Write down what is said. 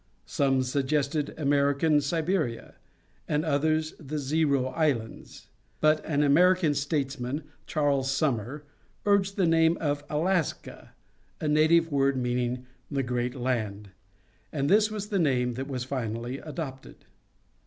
Some suggested American Siberia, and others the Zero Islands; but an American statesman, Charles Sumner, urged the name of Alaska, a native word meaning "the Great Land," and this was the name that was finally adopted.